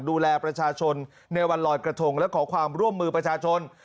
ดูแลประชาชนในวันลอยกระทงและขอความร่วมมือประชาชน